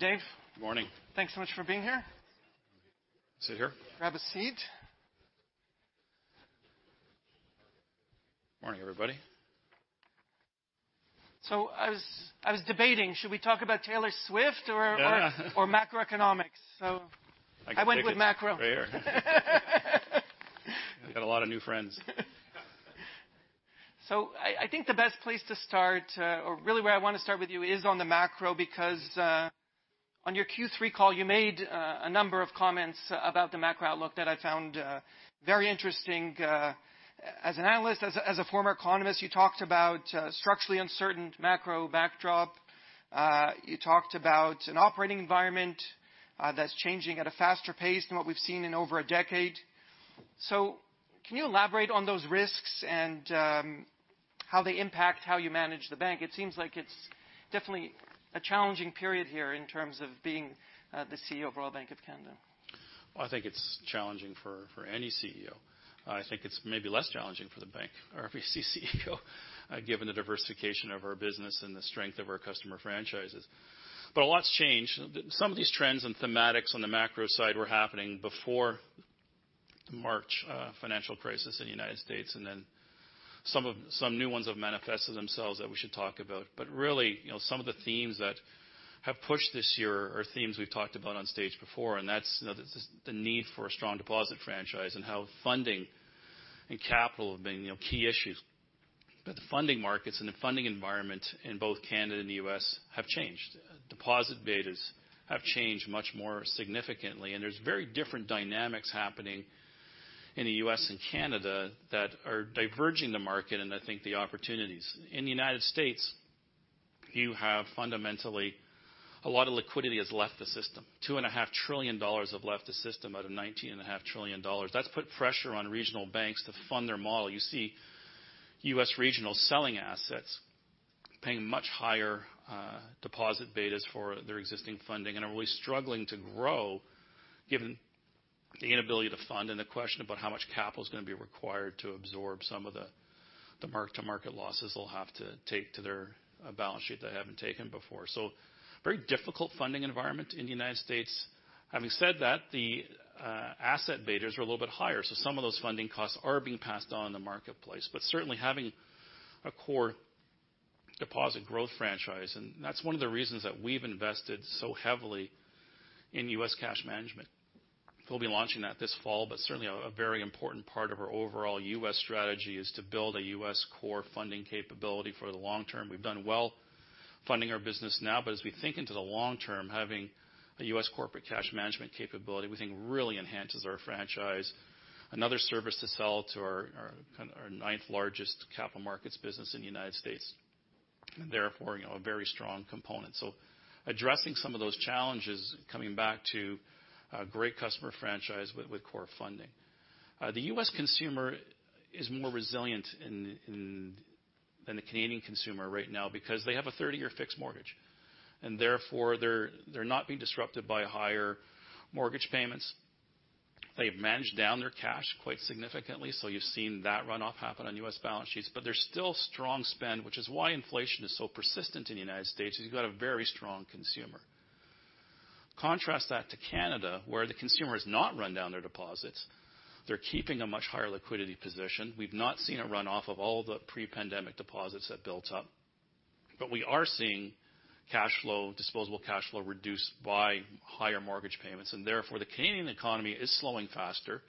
Hi, Dave. Good morning. Thanks so much for being here. Sit here? Grab a seat. Morning, everybody. So I was debating, should we talk about Taylor Swift or- Yeah. or macroeconomics? So I can take it. I went with macro. Right here. I got a lot of new friends. So I think the best place to start, or really where I want to start with you is on the macro, because on your Q3 call, you made a number of comments about the macro outlook that I found very interesting as an analyst, as a former economist. You talked about structurally uncertain macro backdrop. You talked about an operating environment that's changing at a faster pace than what we've seen in over a decade. So can you elaborate on those risks and how they impact how you manage the bank? It seems like it's definitely a challenging period here in terms of being the CEO of Royal Bank of Canada. Well, I think it's challenging for any CEO. I think it's maybe less challenging for the bank or RBC CEO, given the diversification of our business and the strength of our customer franchises. But a lot's changed. Some of these trends and thematics on the macro side were happening before the March financial crisis in the United States, and then some new ones have manifested themselves that we should talk about. But really, you know, some of the themes that have pushed this year are themes we've talked about on stage before, and that's, you know, the need for a strong deposit franchise and how funding and capital have been, you know, key issues. But the funding markets and the funding environment in both Canada and the U.S. have changed. Deposit betas have changed much more significantly, and there's very different dynamics happening in the U.S. and Canada that are diverging the market and I think the opportunities. In the United States, you have fundamentally a lot of liquidity has left the system. $2.5 trillion have left the system out of $19.5 trillion. That's put pressure on regional banks to fund their model. You see U.S. regionals selling assets, paying much higher deposit betas for their existing funding, and are really struggling to grow, given the inability to fund and the question about how much capital is gonna be required to absorb some of the, the mark-to-market losses they'll have to take to their balance sheet they haven't taken before. So very difficult funding environment in the United States. Having said that, the asset betas are a little bit higher, so some of those funding costs are being passed on in the marketplace, but certainly having a core deposit growth franchise, and that's one of the reasons that we've invested so heavily in U.S. cash management. We'll be launching that this fall, but certainly a very important part of our overall U.S. strategy is to build a U.S. core funding capability for the long term. We've done well funding our business now, but as we think into the long term, having a U.S. corporate cash management capability, we think, really enhances our franchise. Another service to sell to our, our kind of, our ninth-largest Capital Markets business in the United States, and therefore, you know, a very strong component. So addressing some of those challenges, coming back to a great customer franchise with, with core funding. The U.S. consumer is more resilient than the Canadian consumer right now because they have a 30-year fixed mortgage, and therefore, they're not being disrupted by higher mortgage payments. They've managed down their cash quite significantly, so you've seen that runoff happen on U.S. balance sheets, but there's still strong spend, which is why inflation is so persistent in the United States, is you've got a very strong consumer. Contrast that to Canada, where the consumer has not run down their deposits. They're keeping a much higher liquidity position. We've not seen a runoff of all the pre-pandemic deposits that built up, but we are seeing cash flow, disposable cash flow, reduce by higher mortgage payments, and therefore, the Canadian economy is slowing faster,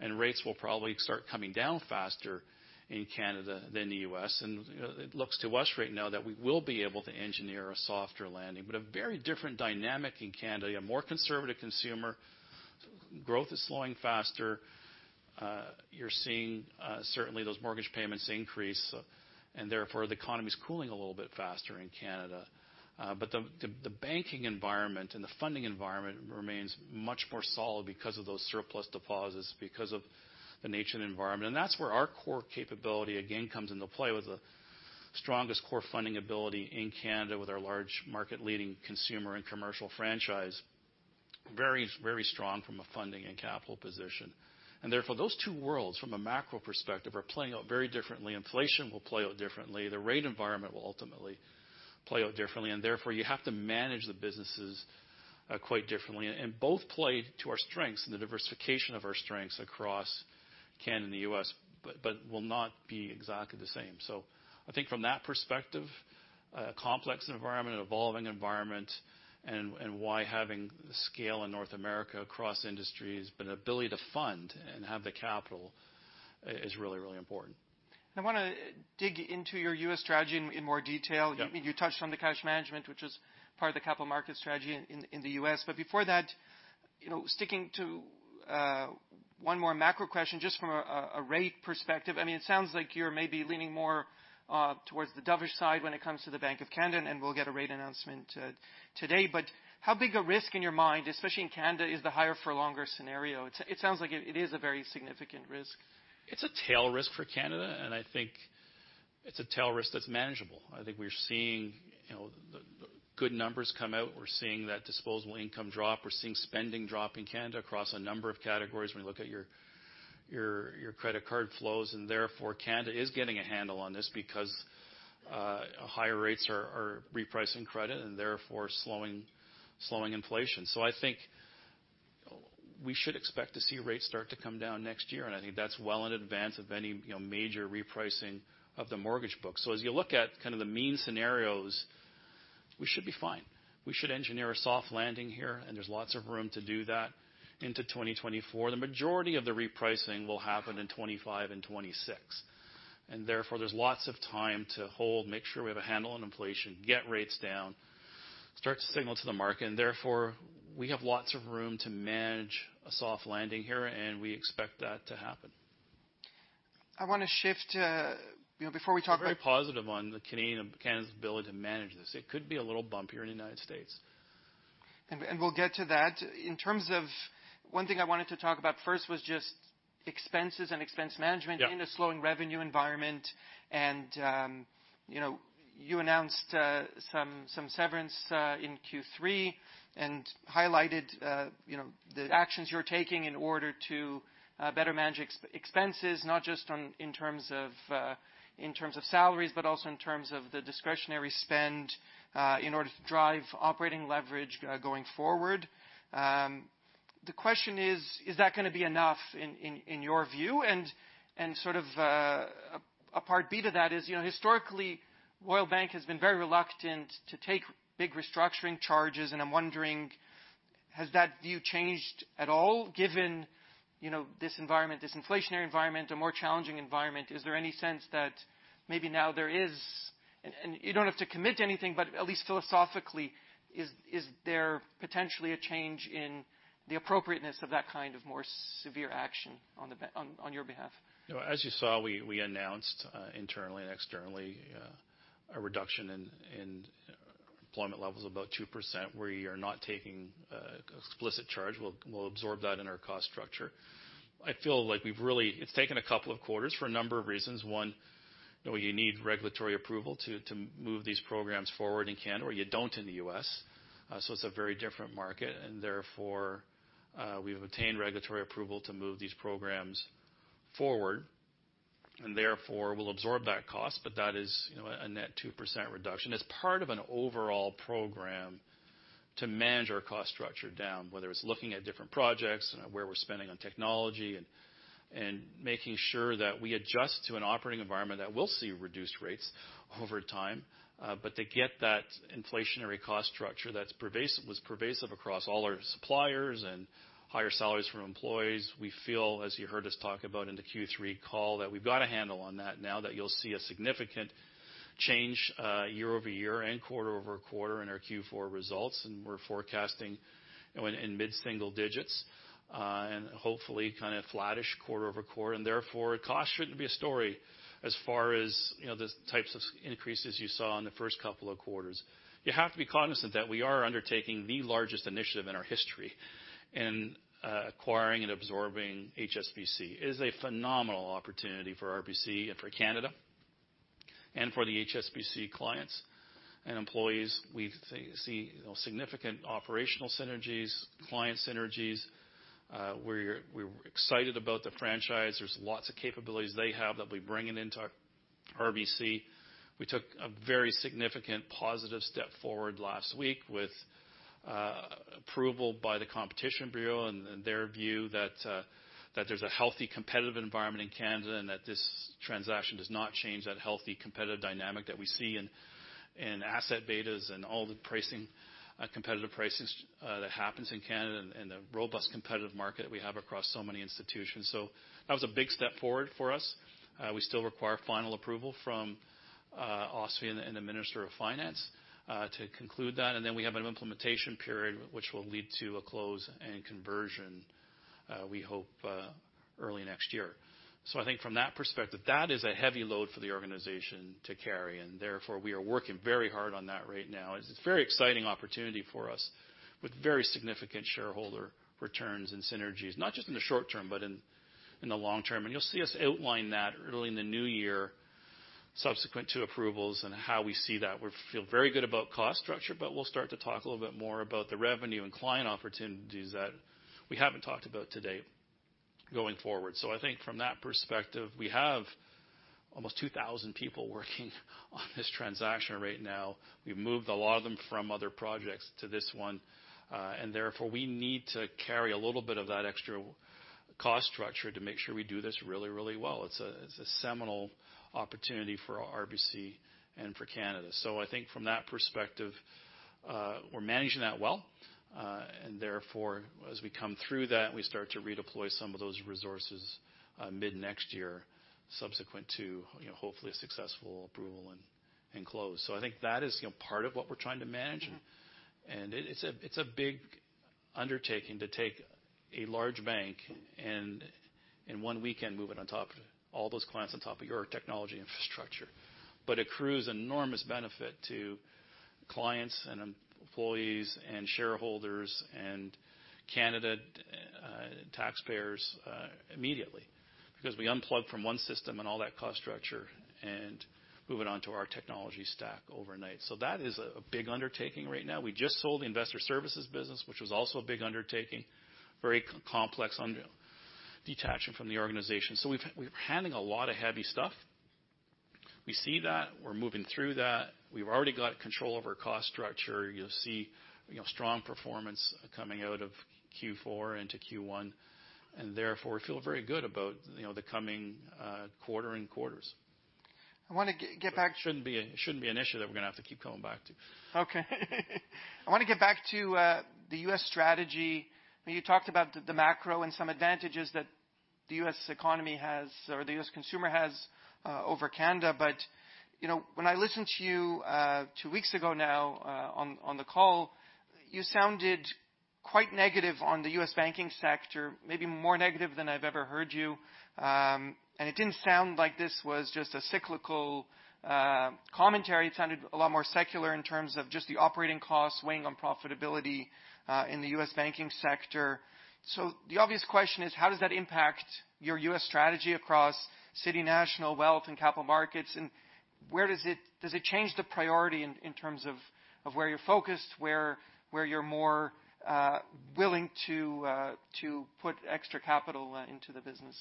and rates will probably start coming down faster in Canada than the U.S. You know, it looks to us right now that we will be able to engineer a softer landing. But a very different dynamic in Canada, a more conservative consumer, growth is slowing faster. You're seeing certainly those mortgage payments increase, and therefore, the economy is cooling a little bit faster in Canada. But the banking environment and the funding environment remains much more solid because of those surplus deposits, because of the nature of the environment. And that's where our core capability, again, comes into play with the strongest core funding ability in Canada, with our large market-leading consumer and commercial franchise. Very, very strong from a funding and capital position. And therefore, those two worlds, from a macro perspective, are playing out very differently. Inflation will play out differently, the rate environment will ultimately play out differently, and therefore, you have to manage the businesses quite differently. And both play to our strengths and the diversification of our strengths across Canada and the U.S., but will not be exactly the same. So I think from that perspective, a complex environment, an evolving environment, and why having scale in North America across industries, but an ability to fund and have the capital is really, really important. I wanna dig into your U.S. strategy in more detail. Yeah. You touched on the cash management, which is part of the Capital Markets strategy in the U.S. But before that, you know, sticking to one more macro question, just from a rate perspective, I mean, it sounds like you're maybe leaning more towards the dovish side when it comes to the Bank of Canada, and we'll get a rate announcement today. But how big a risk in your mind, especially in Canada, is the higher for longer scenario? It sounds like it is a very significant risk. It's a tail risk for Canada, and I think it's a tail risk that's manageable. I think we're seeing, you know, the good numbers come out. We're seeing that disposable income drop. We're seeing spending drop in Canada across a number of categories when you look at your credit card flows, and therefore, Canada is getting a handle on this because higher rates are repricing credit and therefore slowing inflation. So I think we should expect to see rates start to come down next year, and I think that's well in advance of any, you know, major repricing of the mortgage book. So as you look at kind of the mean scenarios, we should be fine. We should engineer a soft landing here, and there's lots of room to do that into 2024. The majority of the repricing will happen in 2025 and 2026, and therefore there's lots of time to hold, make sure we have a handle on inflation, get rates down, start to signal to the market, and therefore, we have lots of room to manage a soft landing here, and we expect that to happen. I want to shift to, you know, before we talk about- Very positive on the Canadian, Canada's ability to manage this. It could be a little bumpier in the United States. And we'll get to that. In terms of... One thing I wanted to talk about first was just expenses and expense management- Yeah in a slowing revenue environment. You know, you announced some severance in Q3 and highlighted you know, the actions you're taking in order to better manage expenses, not just in terms of salaries, but also in terms of the discretionary spend in order to drive operating leverage going forward. The question is, is that gonna be enough in your view? And, sort of, a part B to that is, you know, historically, Royal Bank has been very reluctant to take big restructuring charges, and I'm wondering, has that view changed at all, given you know, this environment, this inflationary environment, a more challenging environment? Is there any sense that maybe now there is... You don't have to commit to anything, but at least philosophically, is there potentially a change in the appropriateness of that kind of more severe action on your behalf? You know, as you saw, we announced internally and externally a reduction in employment levels of about 2%, where you're not taking explicit charge. We'll absorb that in our cost structure. I feel like we've really. It's taken a couple of quarters for a number of reasons. One, you know, you need regulatory approval to move these programs forward in Canada, or you don't in the U.S., so it's a very different market, and therefore we've obtained regulatory approval to move these programs forward. And therefore, we'll absorb that cost, but that is, you know, a net 2% reduction as part of an overall program to manage our cost structure down, whether it's looking at different projects and where we're spending on technology and making sure that we adjust to an operating environment that will see reduced rates over time. But to get that inflationary cost structure that's pervasive across all our suppliers and higher salaries for employees, we feel, as you heard us talk about in the Q3 call, that we've got a handle on that, now that you'll see a significant change year-over-year and quarter-over-quarter in our Q4 results, and we're forecasting, you know, in mid-single digits, and hopefully, kind of flattish quarter-over-quarter. Therefore, cost shouldn't be a story as far as, you know, the types of increases you saw in the first couple of quarters. You have to be cognizant that we are undertaking the largest initiative in our history in acquiring and absorbing HSBC. It is a phenomenal opportunity for RBC and for Canada and for the HSBC clients and employees. We see significant operational synergies, client synergies. We're excited about the franchise. There's lots of capabilities they have that we're bringing into our RBC. We took a very significant positive step forward last week with approval by the Competition Bureau and their view that there's a healthy, competitive environment in Canada, and that this transaction does not change that healthy, competitive dynamic that we see in asset betas and all the pricing competitive pricings that happens in Canada and the robust, competitive market we have across so many institutions. So that was a big step forward for us. We still require final approval from OSFI and the Minister of Finance to conclude that, and then we have an implementation period, which will lead to a close and conversion we hope early next year. So I think from that perspective, that is a heavy load for the organization to carry, and therefore, we are working very hard on that right now. It's a very exciting opportunity for us, with very significant shareholder returns and synergies, not just in the short term, but in the long term, and you'll see us outline that early in the new year, subsequent to approvals and how we see that. We feel very good about cost structure, but we'll start to talk a little bit more about the revenue and client opportunities that we haven't talked about today going forward. So I think from that perspective, we have almost 2,000 people working on this transaction right now. We've moved a lot of them from other projects to this one, and therefore, we need to carry a little bit of that extra cost structure to make sure we do this really, really well. It's a seminal opportunity for RBC and for Canada. So I think from that perspective, we're managing that well, and therefore, as we come through that, we start to redeploy some of those resources, mid-next year, subsequent to, you know, hopefully a successful approval and close. So I think that is, you know, part of what we're trying to manage, and it's a big undertaking to take a large bank and in one weekend, move it on top of all those clients on top of your technology infrastructure. But accrues enormous benefit to clients and employees and shareholders and Canada taxpayers immediately because we unplug from one system and all that cost structure and move it on to our technology stack overnight. So that is a big undertaking right now. We just sold the Investor Services business, which was also a big undertaking, very complex undertaking detaching from the organization. So we're handling a lot of heavy stuff. We see that, we're moving through that. We've already got control over our cost structure. You'll see, you know, strong performance coming out of Q4 into Q1, and therefore, we feel very good about, you know, the coming quarter and quarters. I want to get back- It shouldn't be, shouldn't be an issue that we're going to have to keep coming back to. Okay. I want to get back to the U.S. strategy. You talked about the macro and some advantages that the U.S. economy has or the U.S. consumer has over Canada. But, you know, when I listened to you two weeks ago now on the call, you sounded quite negative on the U.S. banking sector, maybe more negative than I've ever heard you. And it didn't sound like this was just a cyclical commentary. It sounded a lot more secular in terms of just the operating costs weighing on profitability in the U.S. banking sector. So the obvious question is: how does that impact your U.S. strategy across City National, Wealth, and Capital Markets? And where does it change the priority in terms of where you're focused, where you're more willing to put extra capital into the business?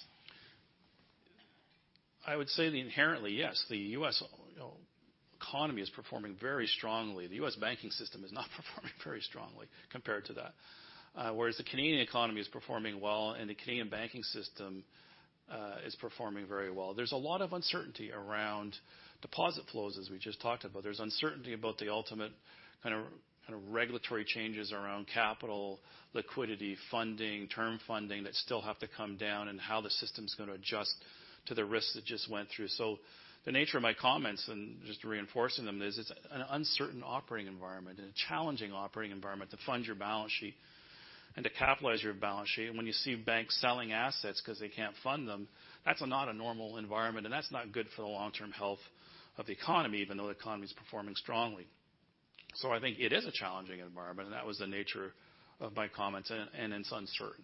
I would say that inherently, yes, the U.S., you know, economy is performing very strongly. The U.S. banking system is not performing very strongly compared to that. Whereas the Canadian economy is performing well, and the Canadian banking system is performing very well. There's a lot of uncertainty around deposit flows, as we just talked about. There's uncertainty about the ultimate kind of, kind of regulatory changes around capital, liquidity, funding, term funding, that still have to come down and how the system's going to adjust to the risks it just went through. So the nature of my comments, and just to reinforce them, is it's an uncertain operating environment and a challenging operating environment to fund your balance sheet and to capitalize your balance sheet. When you see banks selling assets because they can't fund them, that's not a normal environment, and that's not good for the long-term health of the economy, even though the economy is performing strongly. So I think it is a challenging environment, and that was the nature of my comments, and, and it's uncertain.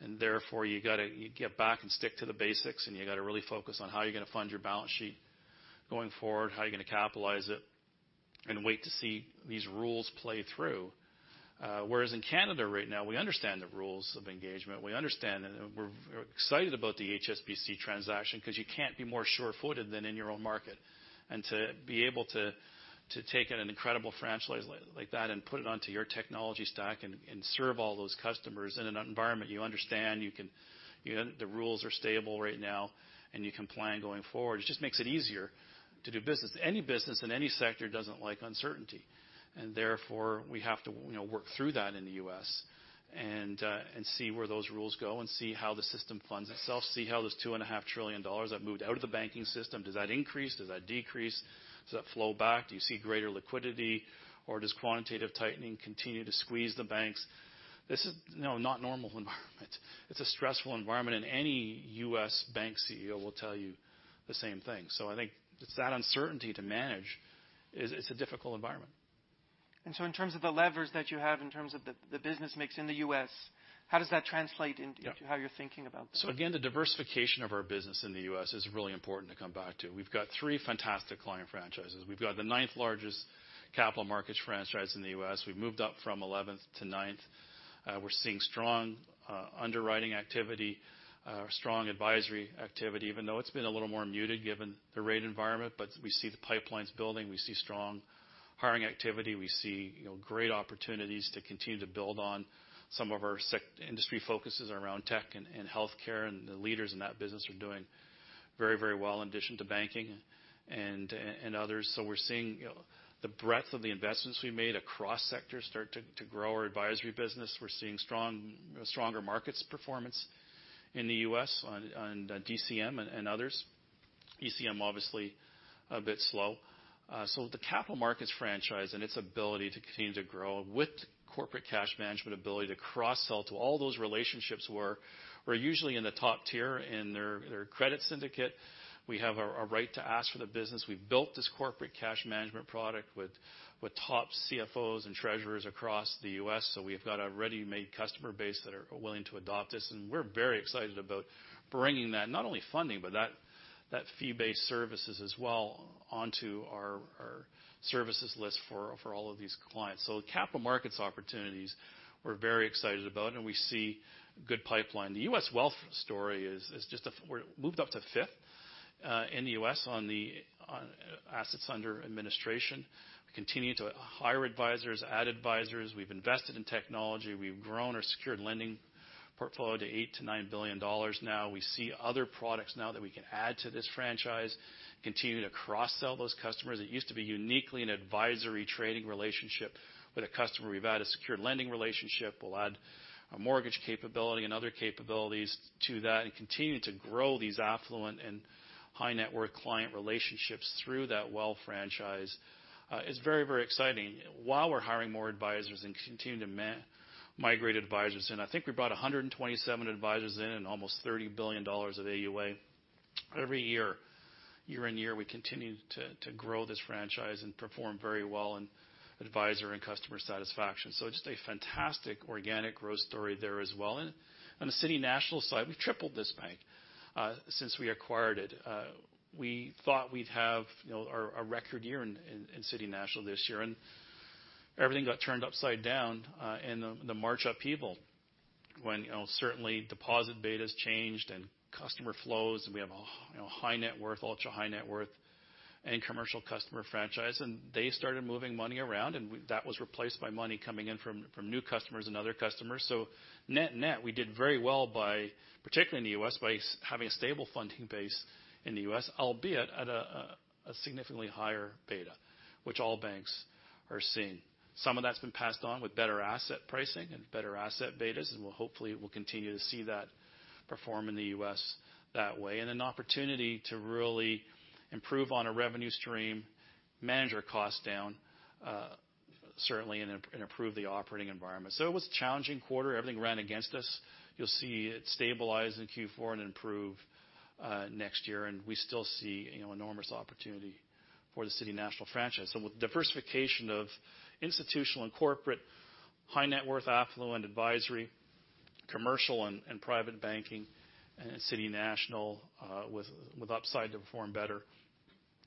And therefore, you got to get back and stick to the basics, and you got to really focus on how you're going to fund your balance sheet going forward, how you're going to capitalize it, and wait to see these rules play through. Whereas in Canada right now, we understand the rules of engagement. We understand, and we're, we're excited about the HSBC transaction because you can't be more sure-footed than in your own market. To be able to take in an incredible franchise like that and put it onto your technology stack and serve all those customers in an environment you understand, you can. You know, the rules are stable right now, and you can plan going forward. It just makes it easier to do business. Any business in any sector doesn't like uncertainty, and therefore, we have to, you know, work through that in the U.S. and see where those rules go and see how the system funds itself, see how those $2.5 trillion that moved out of the banking system, does that increase, does that decrease? Does that flow back? Do you see greater liquidity, or does quantitative tightening continue to squeeze the banks? This is, you know, not normal environment. It's a stressful environment, and any U.S. bank CEO will tell you the same thing. So I think it's that uncertainty to manage it's a difficult environment. So, in terms of the levers that you have, in terms of the business mix in the U.S., how does that translate into- Yeah... how you're thinking about that? So again, the diversification of our business in the U.S. is really important to come back to. We've got three fantastic client franchises. We've got the ninth largest Capital Markets franchise in the U.S. We've moved up from eleventh to ninth. We're seeing strong underwriting activity, strong advisory activity, even though it's been a little more muted given the rate environment, but we see the pipelines building, we see strong hiring activity, we see, you know, great opportunities to continue to build on some of our sector-industry focuses around tech and, and healthcare, and the leaders in that business are doing very, very well, in addition to banking and, and others. So we're seeing, you know, the breadth of the investments we made across sectors start to grow our advisory business. We're seeing strong, stronger markets performance in the U.S. on DCM and others. ECM, obviously, a bit slow. So the Capital Markets franchise and its ability to continue to grow with corporate cash management ability to cross-sell to all those relationships where we're usually in the top tier in their credit syndicate. We have a right to ask for the business. We've built this corporate cash management product with top CFOs and treasurers across the U.S., so we've got a ready-made customer base that are willing to adopt this, and we're very excited about bringing that, not only funding, but that fee-based services as well onto our services list for all of these clients. So the Capital Markets opportunities, we're very excited about, and we see good pipeline. The U.S. wealth story is just a... We're moved up to fifth in the U.S. on the assets under administration. We continue to hire advisors, add advisors. We've invested in technology. We've grown our secured lending portfolio to 8 billion-9 billion dollars now. We see other products now that we can add to this franchise, continue to cross-sell those customers. It used to be uniquely an advisory trading relationship with a customer. We've added a secured lending relationship. We'll add a mortgage capability and other capabilities to that and continue to grow these affluent and high-net-worth client relationships through that Wealth franchise. It's very, very exciting. While we're hiring more advisors and continuing to migrate advisors in, I think we brought 127 advisors in and almost 30 billion dollars of AUA. Every year, year on year, we continue to grow this franchise and perform very well in advisor and customer satisfaction. So just a fantastic organic growth story there as well. And on the City National side, we've tripled this bank since we acquired it. We thought we'd have, you know, a record year in City National this year, and everything got turned upside down in the March upheaval, when, you know, certainly deposit betas changed and customer flows, and we have a, you know, high net worth, ultra high net worth and Commercial customer franchise, and they started moving money around, and that was replaced by money coming in from new customers and other customers. So net-net, we did very well by, particularly in the U.S., by having a stable funding base in the U.S., albeit at a significantly higher beta, which all banks are seeing. Some of that's been passed on with better asset pricing and better asset betas, and we'll hopefully will continue to see that perform in the U.S. that way, and an opportunity to really improve on a revenue stream, manage our costs down, certainly, and improve the operating environment. So it was a challenging quarter. Everything ran against us. You'll see it stabilize in Q4 and improve next year, and we still see, you know, enormous opportunity for the City National franchise. So with diversification of institutional and corporate, high net worth affluent advisory, Commercial and Private Banking, City National, with upside to perform better,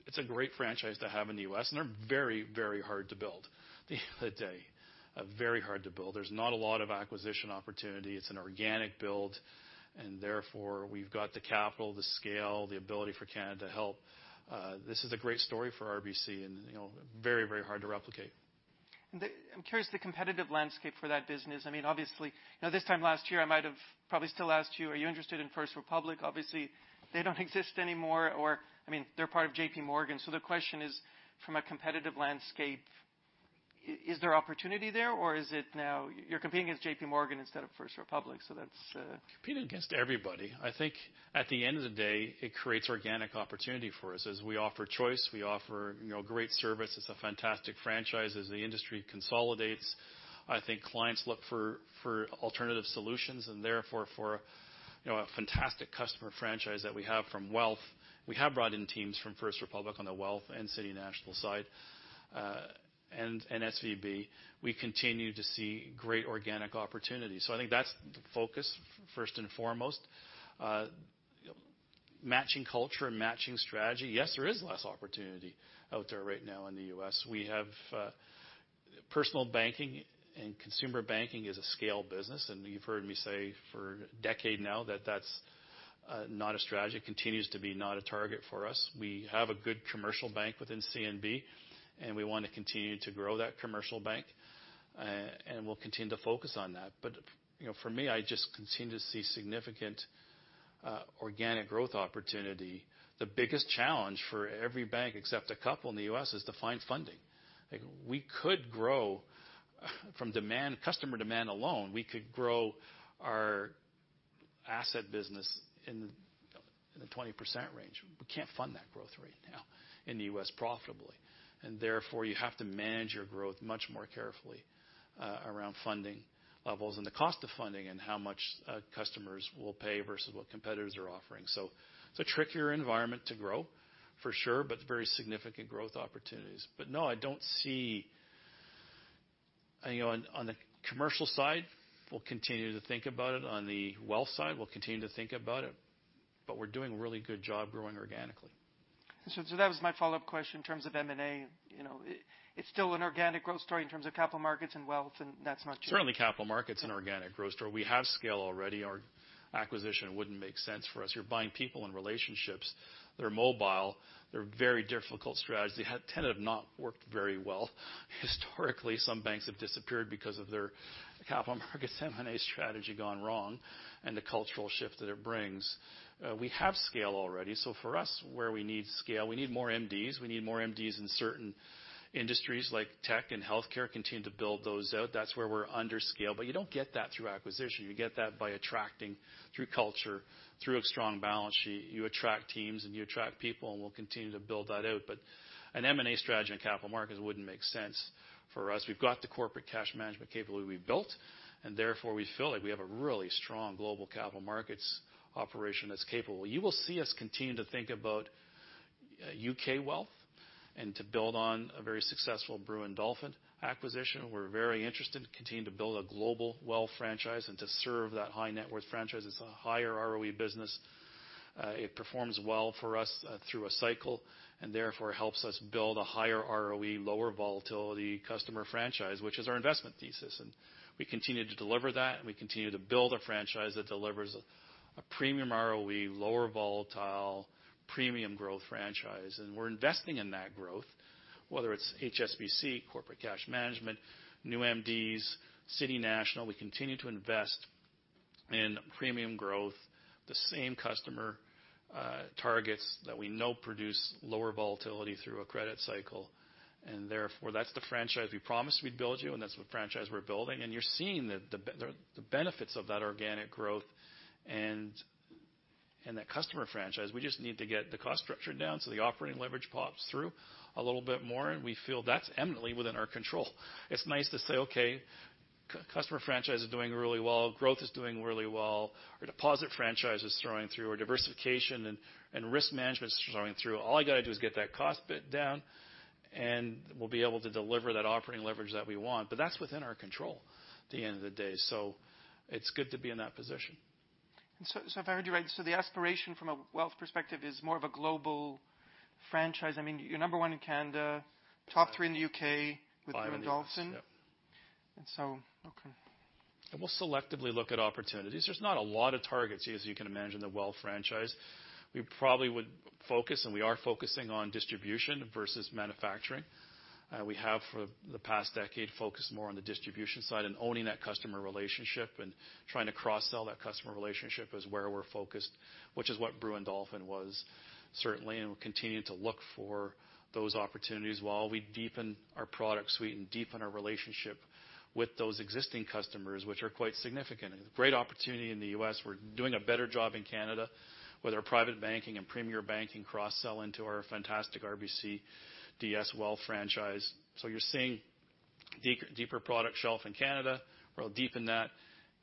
it's a great franchise to have in the U.S., and they're very, very hard to build at the end of the day, very hard to build. There's not a lot of acquisition opportunity. It's an organic build, and therefore, we've got the capital, the scale, the ability for Canada to help. This is a great story for RBC, and, you know, very, very hard to replicate. I'm curious, the competitive landscape for that business. I mean, obviously, you know, this time last year, I might have probably still asked you, are you interested in First Republic? Obviously, it doesn't exist anymore, or, I mean, they're part of JPMorgan. So the question is, from a competitive landscape, is there opportunity there, or is it now you're competing against JPMorgan instead of First Republic, so that's, Competing against everybody. I think at the end of the day, it creates organic opportunity for us as we offer choice, we offer, you know, great service. It's a fantastic franchise. As the industry consolidates, I think clients look for alternative solutions, and therefore, you know, a fantastic customer franchise that we have from Wealth. We have brought in teams from First Republic on the Wealth and City National side, and SVB. We continue to see great organic opportunities, so I think that's the focus, first and foremost. Matching culture and matching strategy, yes, there is less opportunity out there right now in the U.S. We have Personal Banking, and consumer banking is a scale business, and you've heard me say for a decade now that that's not a strategy, continues to be not a target for us. We have a good commercial bank within CNB, and we want to continue to grow that commercial bank, and we'll continue to focus on that. But, you know, for me, I just continue to see significant organic growth opportunity. The biggest challenge for every bank, except a couple in the U.S., is to find funding. Like, we could grow from demand, customer demand alone, we could grow our asset business in the 20% range. We can't fund that growth right now in the U.S. profitably, and therefore, you have to manage your growth much more carefully around funding levels and the cost of funding and how much customers will pay versus what competitors are offering. So it's a trickier environment to grow, for sure, but very significant growth opportunities. But no, I don't see... You know, on the Commercial side, we'll continue to think about it. On the Wealth side, we'll continue to think about it, but we're doing a really good job growing organically. So, that was my follow-up question in terms of M&A. You know, it, it's still an organic growth story in terms of Capital Markets and Wealth, and that's not changing. Certainly, Capital Markets is an organic growth story. We have scale already. Our acquisition wouldn't make sense for us. You're buying people and relationships that are mobile. They're very difficult strategy. They had tended to not worked very well. Historically, some banks have disappeared because of their Capital Markets M&A strategy gone wrong and the cultural shift that it brings. We have scale already, so for us, where we need scale, we need more MDs. We need more MDs in certain industries like tech and healthcare, continue to build those out. That's where we're under scale, but you don't get that through acquisition. You get that by attracting, through culture, through a strong balance sheet. You attract teams, and you attract people, and we'll continue to build that out. But an M&A strategy in Capital Markets wouldn't make sense for us. We've got the corporate cash management capability we've built, and therefore, we feel like we have a really strong global Capital Markets operation that's capable. You will see us continue to think about U.K. Wealth and to build on a very successful Brewin Dolphin acquisition. We're very interested to continue to build a global Wealth franchise and to serve that high net worth franchise. It's a higher ROE business. It performs well for us through a cycle, and therefore, helps us build a higher ROE, lower volatility customer franchise, which is our investment thesis. And we continue to deliver that, and we continue to build a franchise that delivers a premium ROE, lower volatile, premium growth franchise. And we're investing in that growth, whether it's HSBC, corporate cash management, new MDs, City National. We continue to invest in premium growth, the same customer targets that we know produce lower volatility through a credit cycle, and therefore, that's the franchise we promised we'd build you, and that's the franchise we're building. You're seeing the benefits of that organic growth and that customer franchise. We just need to get the cost structure down so the operating leverage pops through a little bit more, and we feel that's eminently within our control. It's nice to say, "Okay, customer franchise is doing really well, growth is doing really well, our deposit franchise is throwing through, our diversification and risk management is throwing through. All I got to do is get that cost bit down, and we'll be able to deliver that operating leverage that we want. But that's within our control at the end of the day, so it's good to be in that position. And so, so if I heard you right, so the aspiration from a Wealth perspective is more of a global franchise. I mean, you're number one in Canada, top three in the U.K.- By a ways, yep. With Brewin Dolphin. And so... Okay. We'll selectively look at opportunities. There's not a lot of targets, as you can imagine, in the Wealth franchise. We probably would focus, and we are focusing on distribution versus manufacturing. We have, for the past decade, focused more on the distribution side and owning that customer relationship and trying to cross-sell that customer relationship is where we're focused, which is what Brewin Dolphin was, certainly, and we're continuing to look for those opportunities while we deepen our product suite and deepen our relationship with those existing customers, which are quite significant. Great opportunity in the U.S. We're doing a better job in Canada with our Private Banking and premier banking cross-sell into our fantastic RBC DS Wealth franchise. You're seeing deeper product shelf in Canada. We'll deepen that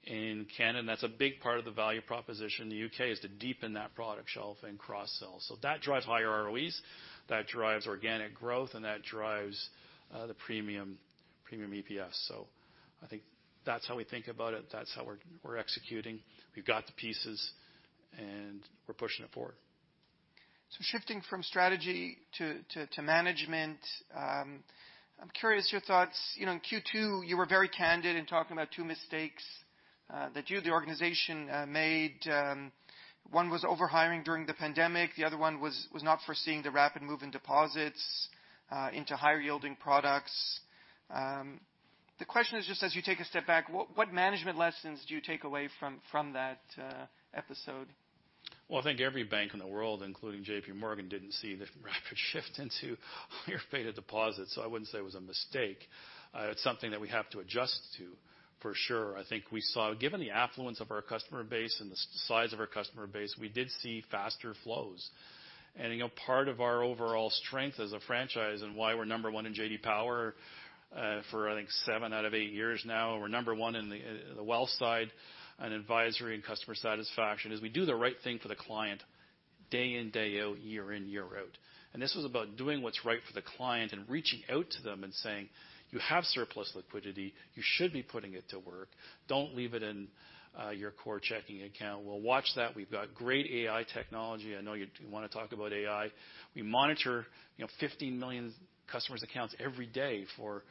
in Canada. That's a big part of the value proposition in the U.K., is to deepen that product shelf and cross-sell. So that drives higher ROEs, that drives organic growth, and that drives the premium, premium EPS. So I think that's how we think about it. That's how we're executing. We've got the pieces, and we're pushing it forward. So shifting from strategy to management, I'm curious your thoughts. You know, in Q2, you were very candid in talking about two mistakes that you, the organization, made. One was overhiring during the pandemic, the other one was not foreseeing the rapid move in deposits into higher-yielding products. The question is, just as you take a step back, what management lessons do you take away from that episode? Well, I think every bank in the world, including JPMorgan, didn't see the rapid shift into higher beta deposits, so I wouldn't say it was a mistake. It's something that we have to adjust to, for sure. I think we saw, given the affluence of our customer base and the size of our customer base, we did see faster flows. And, you know, part of our overall strength as a franchise and why we're number one in J.D. Power, for, I think, seven out of eight years now, we're number one in the, the Wealth side on advisory and customer satisfaction, is we do the right thing for the client day in, day out, year in, year out. And this was about doing what's right for the client and reaching out to them and saying, "You have surplus liquidity. You should be putting it to work. Don't leave it in your core checking account." We'll watch that. We've got great AI technology. I know you want to talk about AI. We monitor, you know, 15 million customers' accounts every day for...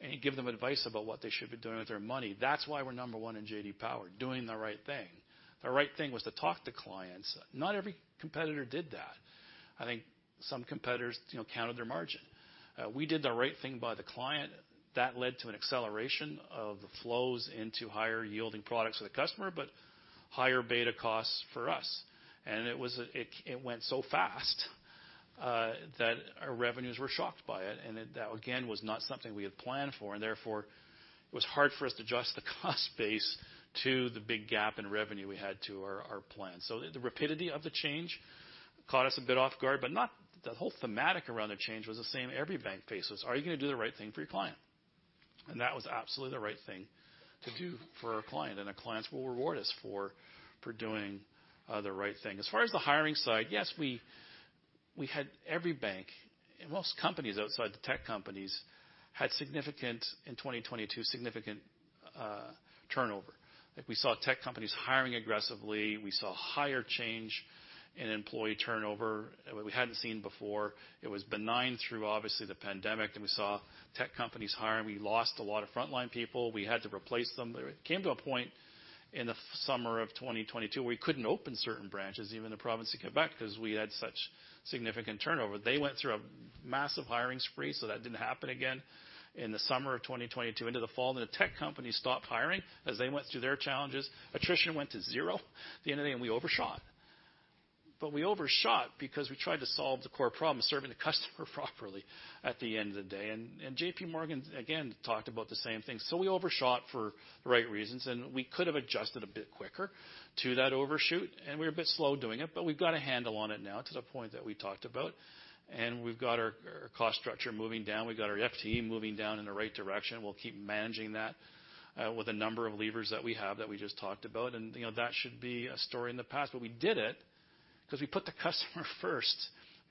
and give them advice about what they should be doing with their money. That's why we're number one in J.D. Power, doing the right thing. The right thing was to talk to clients. Not every competitor did that. I think some competitors, you know, counted their margin. We did the right thing by the client. That led to an acceleration of the flows into higher-yielding products for the customer, but higher beta costs for us. And it was, it went so fast that our revenues were shocked by it, and that, again, was not something we had planned for, and therefore, it was hard for us to adjust the cost base to the big gap in revenue we had to our plan. So the rapidity of the change caught us a bit off guard, but not... The whole thematic around the change was the same every bank faces: Are you gonna do the right thing for your client? And that was absolutely the right thing to do for our client, and our clients will reward us for doing the right thing. As far as the hiring side, yes, every bank and most companies outside the tech companies had significant, in 2022, significant turnover. Like, we saw tech companies hiring aggressively. We saw higher change in employee turnover that we hadn't seen before. It was benign through, obviously, the pandemic, then we saw tech companies hiring. We lost a lot of frontline people. We had to replace them. It came to a point in the summer of 2022 where we couldn't open certain branches, even in the province of Quebec, 'cause we had such significant turnover. They went through a massive hiring spree, so that didn't happen again. In the summer of 2022 into the fall, then the tech companies stopped hiring as they went through their challenges. Attrition went to zero at the end of the day, and we overshot. But we overshot because we tried to solve the core problem of serving the customer properly at the end of the day. And, and JPMorgan, again, talked about the same thing. So we overshot for the right reasons, and we could have adjusted a bit quicker to that overshoot, and we were a bit slow doing it, but we've got a handle on it now, to the point that we talked about, and we've got our cost structure moving down. We've got our FTE moving down in the right direction. We'll keep managing that with a number of levers that we have that we just talked about. And, you know, that should be a story in the past. But we did it because we put the customer first,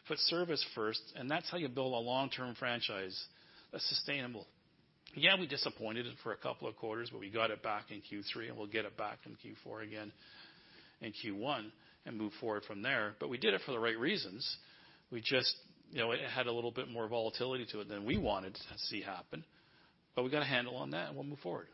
put service first, and that's how you build a long-term franchise, a sustainable... Yeah, we disappointed for a couple of quarters, but we got it back in Q3, and we'll get it back in Q4 again, in Q1, and move forward from there. But we did it for the right reasons. We just... You know, it had a little bit more volatility to it than we wanted to see happen, but we've got a handle on that, and we'll move forward.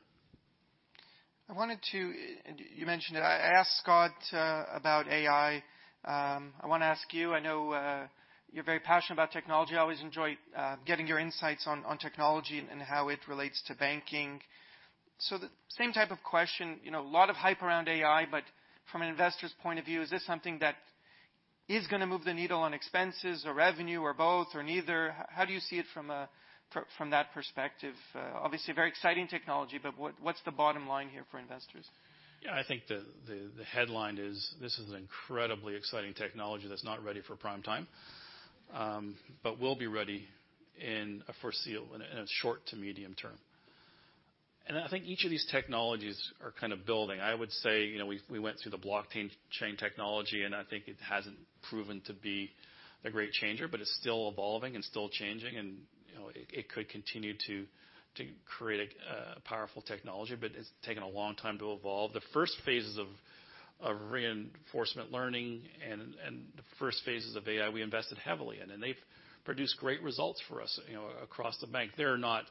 I wanted to, and you mentioned it, I asked Scott about AI. I want to ask you, I know, you're very passionate about technology. I always enjoy getting your insights on technology and how it relates to banking. So the same type of question, you know, a lot of hype around AI, but from an investor's point of view, is this something that is gonna move the needle on expenses or revenue or both or neither? How do you see it from that perspective? Obviously, a very exciting technology, but what's the bottom line here for investors? Yeah, I think the headline is: This is an incredibly exciting technology that's not ready for prime time, but we'll be ready in a foreseeable short to medium term. And I think each of these technologies are kind of building. I would say, you know, we went through the blockchain technology, and I think it hasn't proven to be a great changer, but it's still evolving and still changing, and, you know, it could continue to create a powerful technology, but it's taken a long time to evolve. The first phases of reinforcement learning and the first phases of AI, we invested heavily in, and they've produced great results for us, you know, across the bank. They're not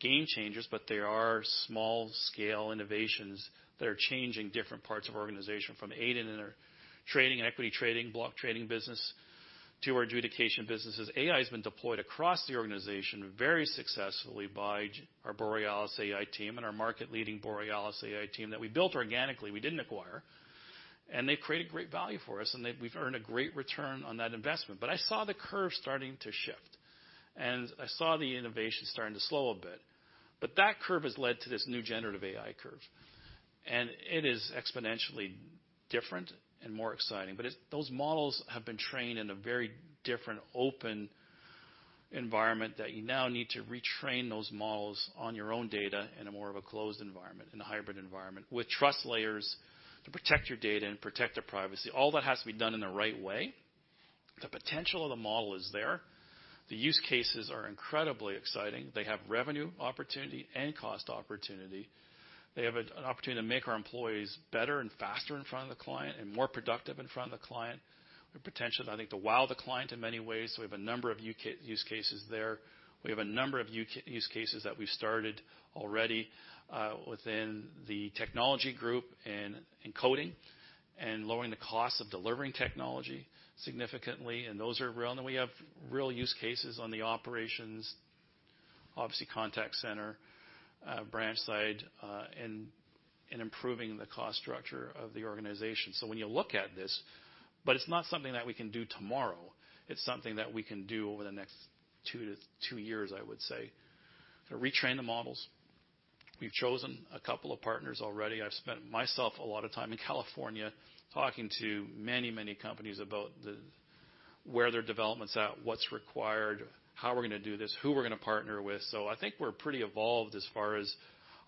game changers, but they are small scale innovations that are changing different parts of our organization, from AI in our trading and equity trading, block trading business to our adjudication businesses. AI has been deployed across the organization very successfully by our Borealis AI team and our market-leading Borealis AI team that we built organically. We didn't acquire. And they've created great value for us, and they've—we've earned a great return on that investment. But I saw the curve starting to shift, and I saw the innovation starting to slow a bit. But that curve has led to this new generative AI curve, and it is exponentially different and more exciting. But those models have been trained in a very different open environment that you now need to retrain those models on your own data in a more of a closed environment, in a hybrid environment, with trust layers to protect your data and protect their privacy. All that has to be done in the right way. The potential of the model is there. The use cases are incredibly exciting. They have revenue opportunity and cost opportunity. They have an opportunity to make our employees better and faster in front of the client and more productive in front of the client, with potential, I think, to wow the client in many ways. So we have a number of use cases there. We have a number of use cases that we've started already within the technology group in coding and lowering the cost of delivering technology significantly, and those are real. And then we have real use cases on the operations, obviously, contact center, branch side, in improving the cost structure of the organization. So when you look at this. But it's not something that we can do tomorrow. It's something that we can do over the next two years, I would say, to retrain the models. We've chosen a couple of partners already. I've spent, myself, a lot of time in California talking to many, many companies about the where their development's at, what's required, how we're gonna do this, who we're gonna partner with. So I think we're pretty evolved as far as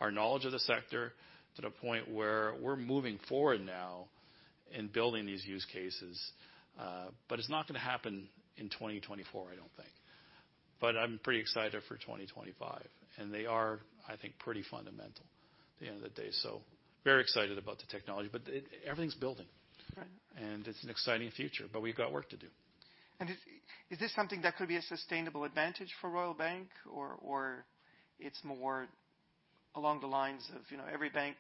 our knowledge of the sector, to the point where we're moving forward now in building these use cases. But it's not gonna happen in 2024, I don't think. But I'm pretty excited for 2025, and they are, I think, pretty fundamental at the end of the day, so very excited about the technology. But everything's building. Right. It's an exciting future, but we've got work to do. Is this something that could be a sustainable advantage for Royal Bank, or it's more along the lines of, you know, every bank,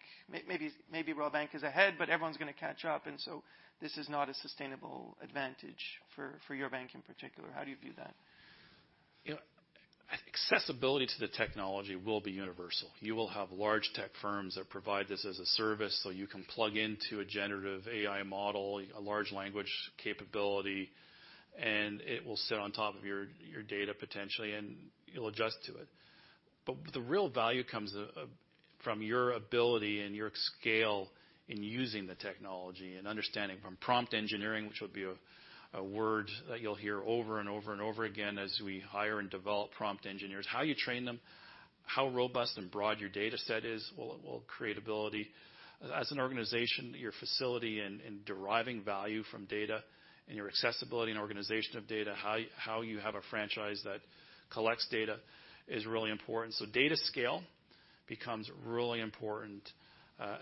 maybe Royal Bank is ahead, but everyone's gonna catch up, and so this is not a sustainable advantage for your bank in particular? How do you view that? You know, accessibility to the technology will be universal. You will have large tech firms that provide this as a service, so you can plug into a generative AI model, a large language capability, and it will sit on top of your data, potentially, and you'll adjust to it. But the real value comes from your ability and your scale in using the technology and understanding from prompt engineering, which will be a word that you'll hear over and over and over again as we hire and develop prompt engineers. How you train them, how robust and broad your data set is, will create ability. As an organization, your facility in deriving value from data and your accessibility and organization of data, how you have a franchise that collects data is really important. So data scale becomes really important,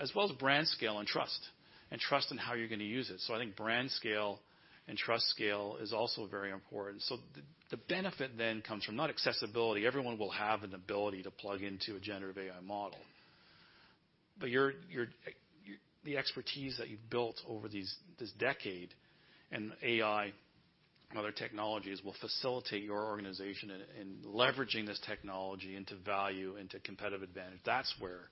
as well as brand scale and trust, and trust in how you're gonna use it. So I think brand scale and trust scale is also very important. So the benefit then comes from not accessibility. Everyone will have an ability to plug into a generative AI model. But the expertise that you've built over this decade in AI and other technologies will facilitate your organization in leveraging this technology into value, into competitive advantage. That's where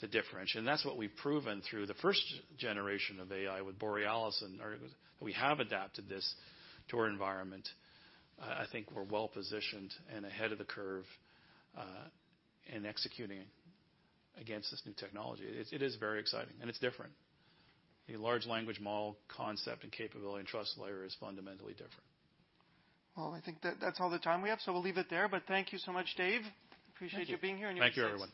the differentiation, that's what we've proven through the first generation of AI with Borealis, and we have adapted this to our environment. I think we're well positioned and ahead of the curve in executing against this new technology. It is very exciting, and it's different. A large language model, concept and capability and trust layer is fundamentally different. Well, I think that that's all the time we have, so we'll leave it there. But thank you so much, Dave. Thank you. Appreciate you being here. Thank you, everyone.